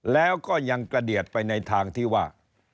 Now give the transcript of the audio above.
แล้วก็ยังกระเดียดไปในทางที่ว่า